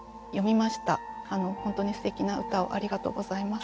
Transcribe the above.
本当にすてきな歌をありがとうございます。